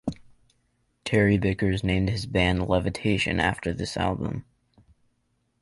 Terry Bickers named his band Levitation after this album.